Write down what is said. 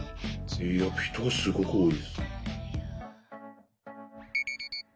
いや人がすごく多いです。